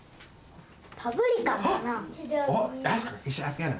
パプリカかな。